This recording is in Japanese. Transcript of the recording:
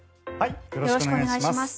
よろしくお願いします。